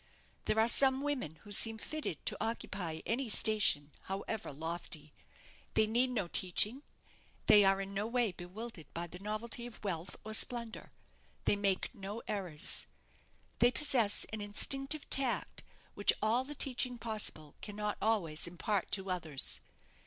There are some women who seem fitted to occupy any station, however lofty. They need no teaching; they are in no way bewildered by the novelty of wealth or splendour; they make no errors. They possess an instinctive tact, which all the teaching possible cannot always impart to others.